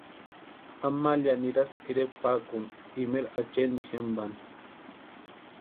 Amalia nirasti tʼirekwa pakuni imeri achenti jempani.